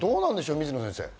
水野先生。